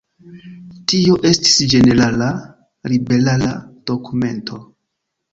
Tio estis ĝenerala liberala dokumento.